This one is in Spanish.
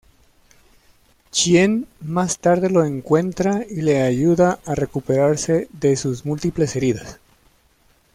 Chien más tarde lo encuentra y le ayuda a recuperarse de sus múltiples heridas.